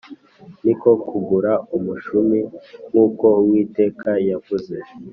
Ni ko kugura umushumi nk uko Uwiteka yavuze